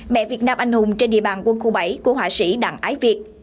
mẹ việt nam anh hùng trên địa bàn quân khu bảy của họa sĩ đặng ái việt